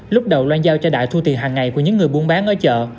lúc đầu loan giao cho đại thu tiền hàng ngày của những người buôn bán ở chợ